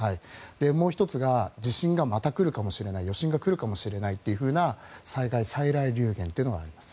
もう１つが地震がまた来るかもしれない余震が来るかもしれないという災害再来流言があります。